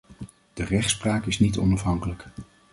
De rechtspraak is niet onafhankelijk.